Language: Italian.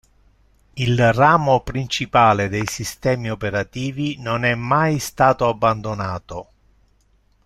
Il ramo principale dei sistemi operativi non è mai stato abbandonato.